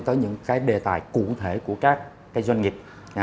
tới những cái đề tài cụ thể của các doanh nghiệp